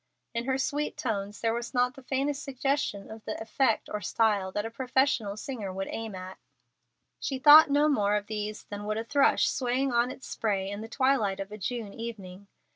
In her sweet tones there was not the faintest suggestion of the effect or style that a professional singer would aim at. She thought no more of these than would a thrush swaying on its spray in the twilight of a June evening.